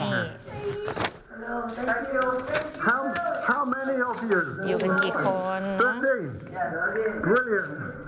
อยู่กันกี่คนนะ